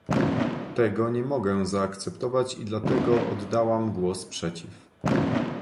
Tego nie mogę zaakceptować i dlatego oddałam głos przeciw